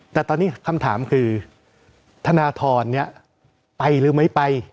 แต่ตอนนี้คำถามคือธนทรไปหรือไม่ไป